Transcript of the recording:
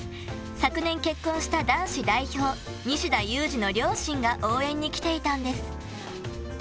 昨年、結婚した男子代表西田有志の両親が応援に来ていたんです。